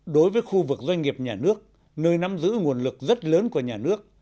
đối với khu vực doanh nghiệp nhà nước nơi nắm giữ nguồn lực rất lớn của nhà nước